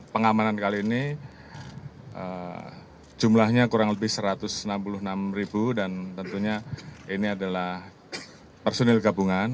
pengamanan kali ini jumlahnya kurang lebih satu ratus enam puluh enam ribu dan tentunya ini adalah personil gabungan